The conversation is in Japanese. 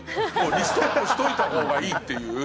リストアップしといた方がいいっていう。